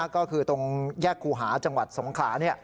ก็คือตรงแยกครูหาจังหวัดสงขลา